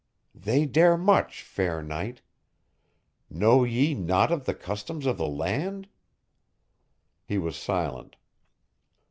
"They dare much, fair knight. Know ye naught of the customs of the land?" He was silent.